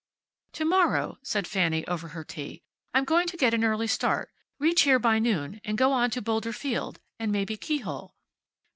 "To morrow," said Fanny, over her tea, "I'm going to get an early start, reach here by noon, and go on to Boulder Field and maybe Keyhole."